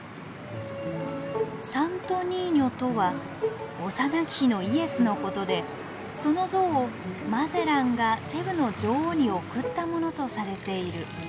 「サント・ニーニョとは幼き日のイエスのことでその像をマゼランがセブの女王に贈ったものとされている」。